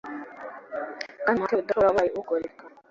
kandi umuhati we udacogora wabaye uwo kugoreka